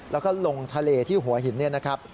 แล้วก็ลงทะเลที่หัวหินเนี่ยนะครับ